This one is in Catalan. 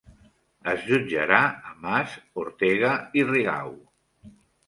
Es jutjarà a Mas, Ortega i Rigau